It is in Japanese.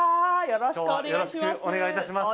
よろしくお願いします。